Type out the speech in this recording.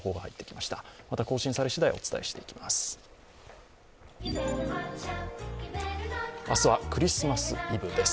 また更新されしだい、お伝えしていきます。